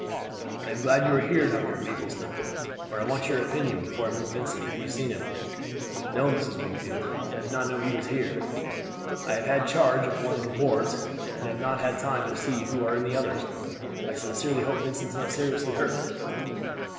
"I am glad you are here, Dr. Mapleston; for I want your opinion before I move Vincent. Have you seen him?" "No, Mrs. Wingfield; I did not know he was here. I have charge of one of the wards, and have not had time to see who are in the others. I sincerely hope Vincent is not seriously hurt."